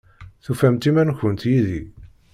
Tufamt iman-nkent yid-i?